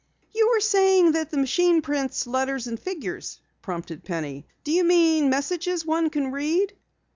"You were saying that the machine prints letters and figures," prompted Penny. "Do you mean messages one can read?"